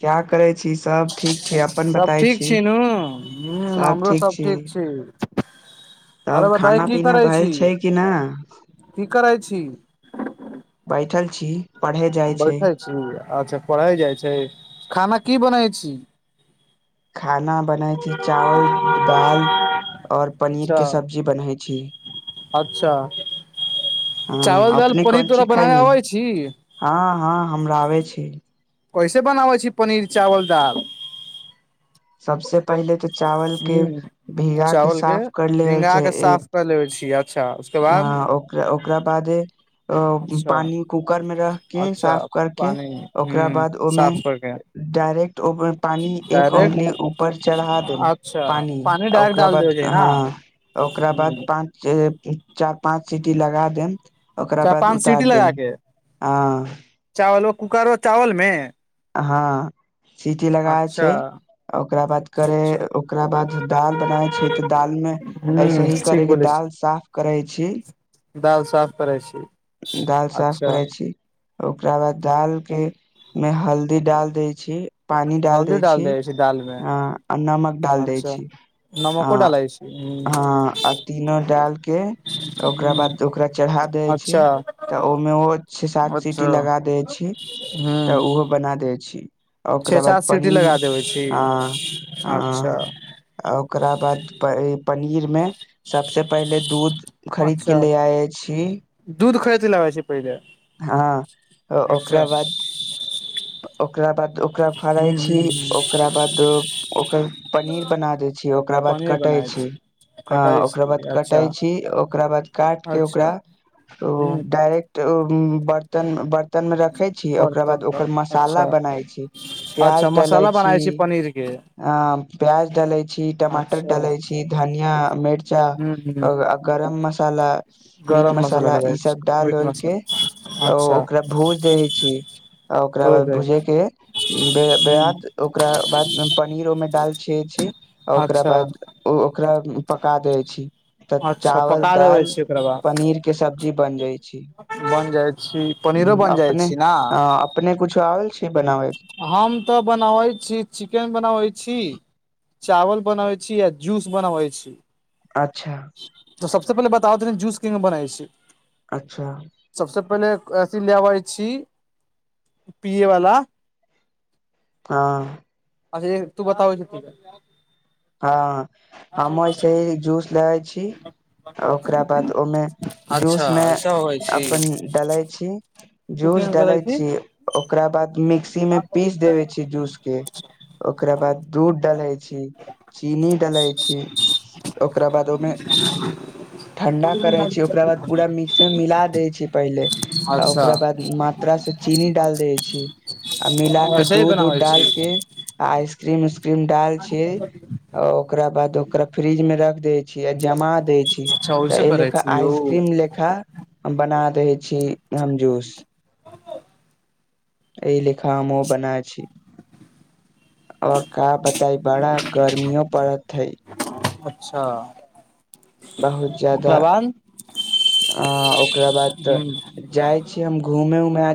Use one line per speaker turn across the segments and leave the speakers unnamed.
क्या करै छी सब ठीक छै अपन
सब
बताय
ठीक छी नू ह हमरो सब ठीक छी
तब
अरे बताइ
खाना
की
पीना
करै
भेल
छी
छैय कि नहि?
की करै छी
बइठल छी पढ़े जाइ छै
बैठे छी अच्छा पढ़ै जाइ छैय खाना की बनै छी?
खाना बनाय छी चावल दाल और पनीर
अच्छा
के सब्जी बनै छी
अच्छा
हँ
चावल दाल
अपने
पनीर
कोन ची
तोरा बनावे
खैनी
आबै छी
हँ हँ हमरा आबै छी
कैसे बनाबै छी पनीर चावल दाल
सबस पहिले तऽ चावल के
ह
भीगा के
चावल
साफ कर लेल
भिंगा
छैय
के
ए
साफ कर लेबे छी अच्छा उसके
आ
बाद
ओक ओकरा बाद
अच्छा
पानि कूकरमे रख के
अच्छा
साफ करके
पानी ह
ओकरा बाद ओमे
साफ करके
डायरेक्ट ओ पानी एक
डायरेक्ट
औंगली ऊपर चढ़ा देल
अच्छा
पानी
डायरेक्ट
ओकरा
डाल
बाद
देबे छै न
हँ ओकरा बाद
चार
पाँच जे चार पाँच सिटी लगा देम ओकरा बाद
पाँच
उतार
सीटी लगा
देब हँ
कुकर आर चावलमे
हँ सीटी लगाब
अच्छा
छैय ओकरा बाद
अच्छा
करे
अच्छा
ओकरा बाद दाल बनाय छैय तऽ दाल में ऐसे
हूँ
ही
ठीक
करे क दाल साफ करै छी
दालि साफ करै छी
दाल साफ
अच्छा
करे छी ओकरा बाद दाल के मे हल्दी डाल दै छी पानी डाल दै छी अ आ नमक डाल दै
अच्छा
छी। आ
नमको डालै छी हूँ
हँ आ तीनो डालके ओकरा बाद ओकरा चढ़ा दै छी।
अच्छा
तऽ ओमे ओ छ सात सीटी
अच्छा
लगा देय छी
हूँ
तऽ ओहो बना देै छी
छे
ओकरा
सात
बाद
सीटी
पनीर
लगा देबै छी
हँ ह
अच्छा
आ ओकरा बाद पनीर में सबसे पहले दूध खरीद के
अच्छा
ले आय छी
दूध खैैत लग छैय पहिल
हँ ओकरा बाद ओकरा बाद ओकरा
हूँ
फड़ई
हूँ
छी ओकरा बाद ओकर पनीर बना देै छी ओकरा बाद कटा
अछ
हँ ओकरा बाद कटाइ छी ओकरा बाद काट कऽ
अच्छा
ओकरा
हूँ
डायरेक्ट बर्तन बर्तनमे रखै छी ओकरा बाद
बर्तन
ओकर मस ला
अच्छा
बनाय छी
अच्छा
प्याज डलाय
मसाला
छी
बनाबै पनीर के
अ प्याज डलै छी टमाटर
अच्छा हूँ
डलै छी धनिया मिर्चा
हूँ
गरम मसाला मीट
गरम
मसाला ई
लगाबै छी
सब डाल डाल
मीट
उलके
मसाला अच्छा
भूज दैहि छी आ ओकरा
हो
बाद
जाइ
भुजैके
छै।
बाद
हूँ
ओकरा बाद पनीर ओहिमे डाल छियै छी आ ओकरा
अच्छा
बाद ओकरा पका दै छी तऽ
अच्छा
चावल
पका देबै
दाल
छी ओकरा
पनीर के सब्जी बन जाइ छी
बनि जाइ छी पनीरो बनि जाइ छी ना
नै कुछो आबै छै
हम तऽ बनाबैत छी चिकेन बनाबैत छी चावल बनाबै छी या जूस बनाबै छी
अच्छा
त सबस पहिले बताब' तने जूस कैमे बनै छै
अच्छा
सबसँ पहिले अथी ले आबइ छी पियै बला
हँ
अरे तू बताब' तनी
हँ हमस जूस लेै छी ओकरा बाद ओमे
अच्छा
जूसमे
ऐसा होबै छी
अपन डलै छीयै
तू
जूस
केहन
डले
करै छी
छियै ओकरा बाद मिक्सीमे पीस देबे छियै जूस के ओकरा बाद दूध डालै छी चीनी डलै छी ओकरा बाद ओहिमे ठंडा करै छी ओकरा बाद पूरा मिक्सर मिला दै छै पहिले आ
अच्छा
ओकरा बाद मात्रा से चीनी डाल दै छी आ मिला कऽ
वैसे ही
दूध उध
बनाबै छी
डालके आ आइसक्रीम उसक्रीम डाल छै ओकरा बाद ओकरा फ्रिजमे रख दे छियै आ जमा दै छी
अच्छा
तऽ
ओहिसे
ए
करै
लेका
छी ओ
आइसक्रीम लेखा हम बना रहै छी हम जूस एहि लेखा हम ओ बना छी आओर का बता त बड़ा गर्मीयो पड़त हैय
अच्छा
बहुत ज्यादा
ओकरा बाद
अ ओकरा बाद
ह
जाय छी हम घूमे उमे आ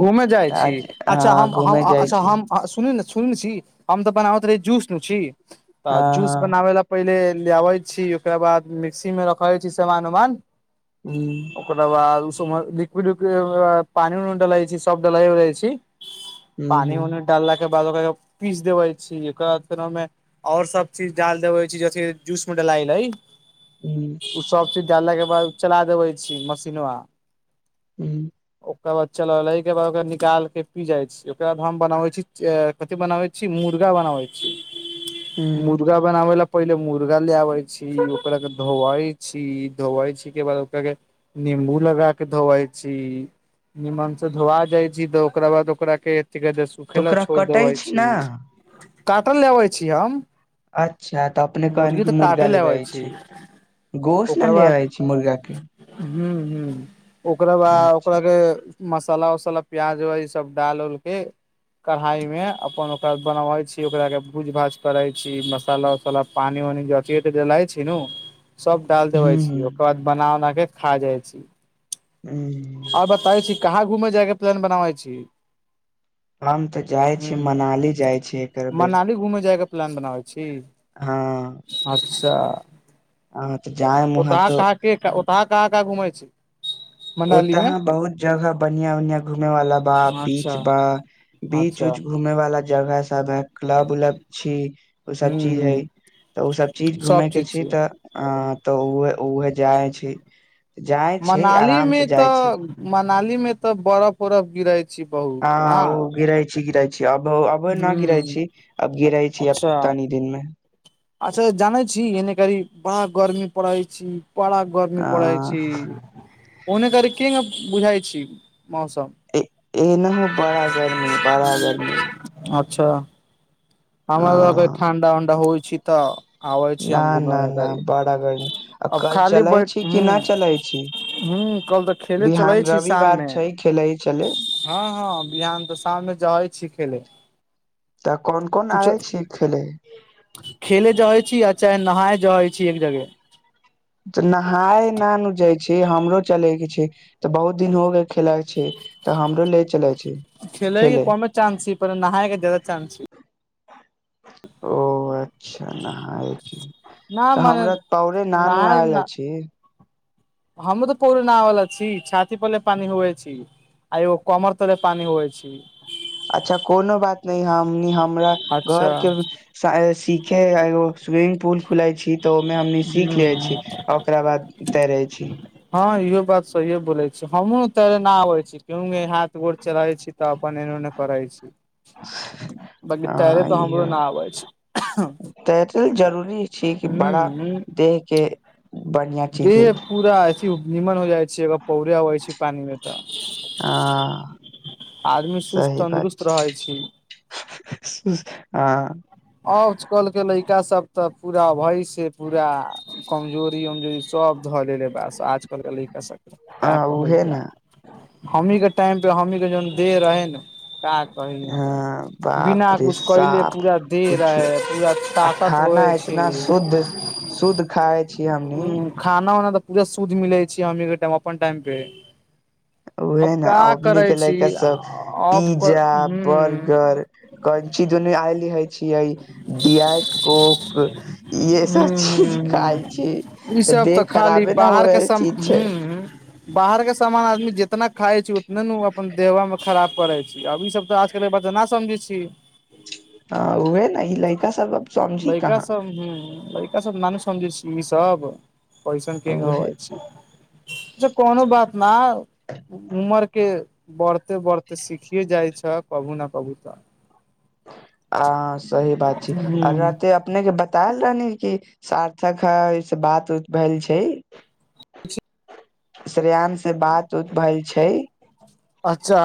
घूमे जाइ छी अच्छा हम
घूमे जाइ
अच्छा
छी
हम सुनय ने सुन छी हम तऽ बनाबैत रहे जूस न छी तऽ
हँ
जूस
हँ
बनाबे लए पहिले ले आबै छी ओकरा बाद मिक्सी मे रखबै छी सामान उमान
ह
ओकरा बाद सु लिक्विड पानि डलै छी सब डलै उलै छी पानी उनी
ह
डालला के ब द पीस देबै छी एककर बाद फेर ओहिमे और सब चीज डाल देबै छै ज जूस में डाल
ह
सबचीज डालला के बाद चला देबै छी मसीनबा
ह्म
चलल के बाद ओकरा निकाल के पी जाइ छी ओकर बाद हम बनावे छी कथि बनावे छी मुर्गा बना
ह ह
मुर्गा बनाबै ले पहिले मुर्गा ले आबै छी ओकरा के धोवई छी धोवई छी के बाद ओकरा के निम्बू लगा के धोवय छी नीमन से धोवा जाइ छी तऽ ओकरा बाद ओकरा के क कह
तऽ
सूखे ल
ओकरा
छोड़
कटै
देबे
ने
छी काटल लेबे छी हम
अच्छा तऽ अपने कहान
मुर्गी
कि
तऽ
मुर्गा
काटे ले अबै
लेबय छी। गोश ने ले जाइ छी मुर्गा के
हू ह ओकरा ब
अच्छा
ओकरा के मसाला वसाला प्याज व्याज ई सब डाल उलके कढ़ाई मे अपन ओकरा बनबै छी ओकरा के भूज भाज करै छी मसाला उसाला पानी जथ त जेलइ छी न सब डाल देबे
हूं
छी
हूं
ओकर बाद बना उना के खा जाइ छी।
हूं
आओर बताबै छी कहाँ घूमय जायके प्लान बनाबै छी?
हम तऽ जाइ छी
ह
मनाली जाइ छी एकर बेर
मनाली घूम जायगा। प्लान बनाै छी
हँ
अच्छा
हँ तऽ जायम
ओत
उहाँ तऽ
कहाँ के ओतह कहाँ कहाँ घुमै छी?
ओत
मनाली मे
हाँ बहुत जगह बढ़िया बढ़िया घूमे वाला बा
अच्छा
बीच बा बीच
अच्छा
ऊच घूमे वाला जगह सब है क्लब उ्लब छी ओ सब
हूँ
चीज है।
हूँ
तऽ ओसभ चीज
सब
घूमयके
चीज
छैय
छियै
तऽ अ तऽह उहे जाय छैय जाय छैय
मनाली
आराम से
मे
जाय छी
तऽ मनाली में ते बरफ उरफ गिराय
हँ ओ गिराइ छी गिराइ छी अब अब न गिराै
हूँ
छी अब रहै छी अब
अच्छा
तानी दिनमे
अच्छा जानै छी एने करी बड़ा गर्मी पड़ै छी बड़ा गर्मी
आ
पड़ै छी ओने कर के ने बुझाइ छी मौसम
ए ए नहि बड़ा गर्मी बड़ा गर्मी
अच्छा
आ
हमर ल ठण्डा वण्डा होइ छी तऽ आबै छी
न
हम
न
घुमे
न बड़ा गर्मी आ
अब
कल
खाली
चलै
बैठ
छी कि
हू
न चलै छी
हूॅं कल तऽ खेले चलै
बिहान
छी
रविवार
शाममे।
छै खेले चले
हँ हँ बिहान तऽ शाममे जै छी खेले लय
त
त खेेले जाइ छी आ नहााय जाइ छी एक जगह
नहाय नानु जाइ छी हमरो चले के छैय तऽ बहुत दिन हो के खेलक छैय ते हमरो ले चले छैय।
खेलैके कम चानंस ह पर न हाय एक ज जााददा चानंस छैय।
ओ अच्छा नहाय क
न
तऽ
मने
हमरा पौरे नानू
नहाय
आयल अछि।
हम तऽ परे न वला छी छाती पले पानी हए छी आइयो कमरतले पानी होइ छैय।
अच्छा कोनो बात नहि हमनी हमरा
अच्छा
घर के सायासी देखगो स्विमिंगग पूल खुलय छी तऽ ओहिमे हमनी सीख लेै छी
ह
आ ओकरा बाद तैरे छी।
इहो बात सहीए हमहु तऽना आबैत छी केहुँ हाथ गोर चलाबे छी तऽ अपन एने ऊने करैत छी। बाकी तैरे
हँ
तऽ हमरो न
ई
आबै छै
ते त जरूरी छी क
ह
बड़ा
ह
देह के बढ़िया चीज है
देह पूरा ऐसे नीमन हो जाइ छैय अगर पौड़ेइ छैय पानि मे
ह
आदमी सुस्त तन्दुरुस्त रहै छैय।
सुस्त
आजकल के लड़का सब तऽ पूरा भ पूरा कमजोरी उमजोरी सब धऽ ले बस आजकल के ल क सके।
ह
क कहै
उहे ने
जाउ हमनी के टाइम पे हमनी के जवन देह रहे न का
ह
कहियो
बाप
बिना
रे
कुछ कले
साफ
पूरा देह
कुछ
रहै पूरा
आ
ताकत
खाना
होइ छी
इतना शुद्ध शुद्ध खाय छी हमनी
हूँ खाना उनाा तऽ पूरा शुद्ध मिलै छै हमी के टाइम अपन टाइम पे
[inaudible] उहे
अब
हई न
का
अभनी
करै
के
छी
लैड़का सब
अब कर
पिज्जा
ह्म
बर्गर कनची दुने आयल लिहे छीयै डियाट कोक इे सब
ह्म
चीज
ह्म
खाय छीय
ह्म
तऽ
ईसभ
देह
खाली
खराबे ने हए
बाहरके
रहल
सम
चिज छै
ह्म बाहर के सामान आदमी जितना खाइ छै उतने ने अपन देहवा मे खराब करे छै आब ई सब तऽ आजकल त ना समझै छी
[inaudible] उहे ने ई लड़का सब अब समझी
लैका
कहाँ
सब ह लैका सब नानु समझै छी तब कैसन केन
उहे
होबे छै कोनो बात ना उमर के बढ़ते बढ़ते सिखियए जाइ छ कबू न कबू तऽ
ह सही बात छै आर
ह्म
रहते अपने के बच्च बताल रहनी कि सारथक है बात उत भेल छै
[inaudible]
श्रेयानस से बात उत भेल छै
अच्छा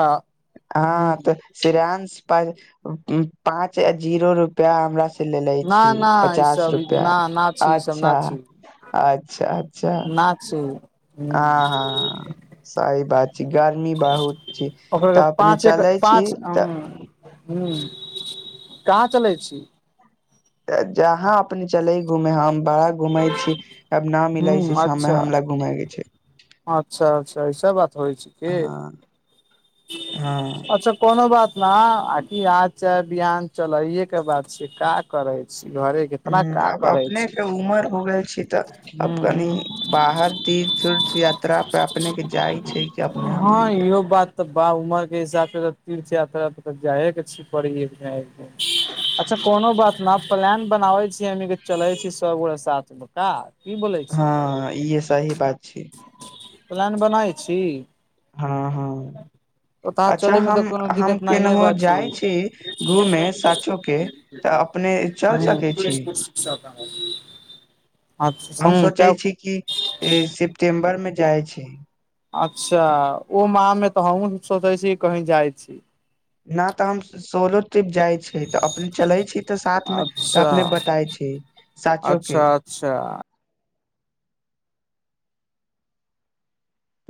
ह
हँ तऽ श्रेयानस से पहिल पाँच आ जीरो रुपआ हमरा लेले छी
ना ना ई
पचास
सब
रुपआ
ना ना
अच्छा अच्छा अच्छा
न छी हूँ
हँ हँ सही बात छै गर्मी बहुत छी
ओकर
तऽ अपने चलै छी तऽ
हू कहाँ चलै छी
जहाँ अपने चले घूमे हम बड़ा घुम छी आब न मिलै छै शाममे हमरा घुम के छै
अच्छह अच्छह ईऐस बात होइ छै की
हँ हँ
अच्छह कोनो बात ना की आज चै बिहान चलैे के बात छै का करे छी घरे के इतना
ह
का
अब
करै
अपने
छी
के उमर हो गेल छी तऽ अब कनी
हूँ
बाहर तीर्थ उर्थ यात्रा पे अपने के जाइ छै अपने
हँ
हमनी के
इहो बात तऽ बा उमर के हिसाब तीर्थ यात्रा जाए के छी परही अच्छा कोनो बात न प्लान बनाबे छियै हमनीके चलै छी सब गोटा साथमे का की बोलै छी
हँ इहे सही बात छै
प्लान बनाबै छी
हँ हँ
ओतहा
अच्छा
चले मे तऽ
हम
कोनो
हम
दिक्कत नहिये
केनहु
बा
जाइ छी घूमे साचो के तऽ अपने अपने चल सके छी हम सोचै
अच्छा
छी कि सिप्टेम्बर मे जाइ छी
अच्छा ओ माह मे तऽ हमहु त सोचै छी कही जाइत छी
न तऽ हम सोलो ट्रिप जाइ छी तऽ अपने चलै छी तऽ साथ मे तऽ
अच्छा
अपने बताइ छी साचो के
अच्छा [unintelligible]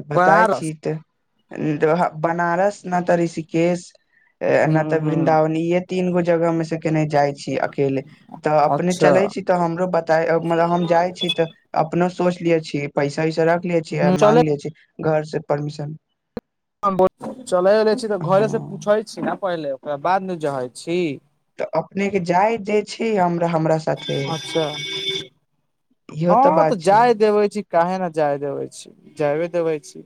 बताय
बनारस
छी तऽ बनारस ने तऽ ऋषिकेश
हूँ
ना तऽ
हूँ
वृन्दावन इे तीन गो जगह मे से केने जाइ छीय अकेल तऽ अपने च
अच्छा
चलै छी त हमरो बताइ हम जाइ छी तऽ अपनो सोचलिय छी पैसा वैसा राखलिय छियै
हूँ चले
मागले छिये घर से परमिशन
चलै रहलले छी तऽ घरे से
हँ
पूछैत छी ने पहिले ओकरा बाद ने जैय छी
तऽ अपनेके जाय दे छी हम हमरा साथे
अच्छा
इहो
हँ तऽ
बात छै
जाय देवे छी के ने जाय देवे छी जायबे देवे छी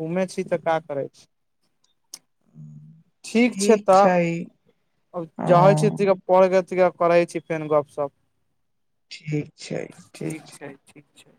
घुमे छी तऽ का करै छी ठीक छै तऽ आब जाइ छी तनिका
हँ
पढ़ लै छियै [unintelligible] करै छी फेन गपशप
ठीक [unintelligible]
ठीक छै ठीक छै